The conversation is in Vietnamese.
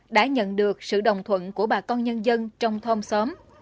đã nhận được sự đồng thuận của bà con nhân dân trong thôn xóm